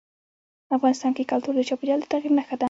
افغانستان کې کلتور د چاپېریال د تغیر نښه ده.